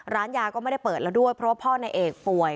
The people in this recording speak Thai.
ร้านยาก็ไม่ได้เปิดแล้วด้วยเพราะว่าพ่อนายเอกป่วย